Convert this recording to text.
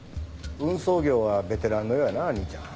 運送業はベテランのようやな兄ちゃん。